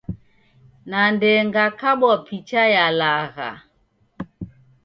Nande ngakabwa picha ya lagha.